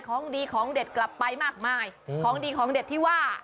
ของดีของเด็ดกลับไปมากมายของดีของเด็ดที่ว่า